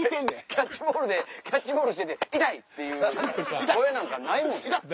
キャッチボールでキャッチボールしてて痛い！っていう声なんかないもんね。